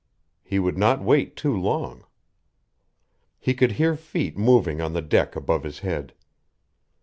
He could not wait too long.... He could hear feet moving on the deck above his head.